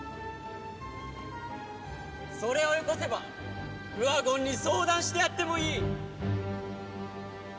それをよこせばクワゴンに相談してやってもいい！